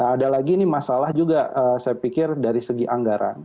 ada lagi ini masalah juga saya pikir dari segi anggaran